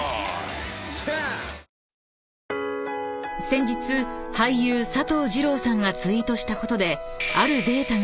［先日俳優佐藤二朗さんがツイートしたことで］